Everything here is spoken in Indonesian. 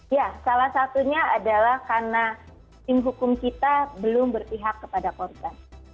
ya salah satunya adalah karena tim hukum kita belum berpihak kepada korban